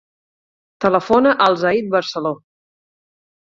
Telefona al Zaid Barcelo.